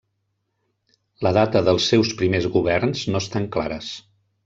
La data dels seus primers governs no estan clares.